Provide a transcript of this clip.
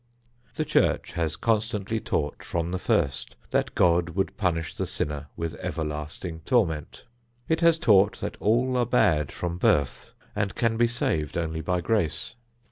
The church has constantly taught from the first that God would punish the sinner with everlasting torment. It has taught that all are bad from birth and can be saved only by grace.